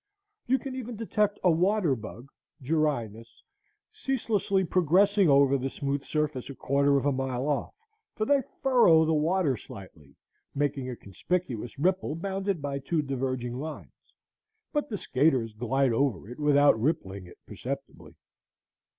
You can even detect a water bug (Gyrinus) ceaselessly progressing over the smooth surface a quarter of a mile off; for they furrow the water slightly, making a conspicuous ripple bounded by two diverging lines, but the skaters glide over it without rippling it perceptibly.